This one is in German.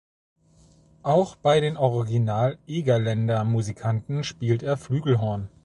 Auch bei den Original Egerländer Musikanten spielt er Flügelhorn.